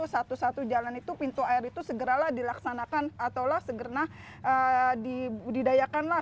satu satu jalan itu pintu air itu segeralah dilaksanakan atau segera didayakan lah